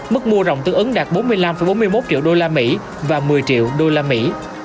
mức mua rộng tương ứng đạt bốn mươi năm bốn mươi một triệu đô la mỹ và một mươi triệu đô la mỹ